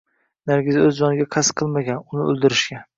Nargiza o`z joniga qasd qilmagan, uni o`ldirishgan